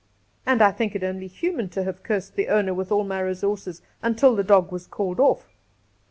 And I think it only human to have cursed the owner with all my resources until the dog was called off.